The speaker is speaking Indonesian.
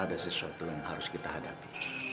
ada sesuatu yang harus kita hadapi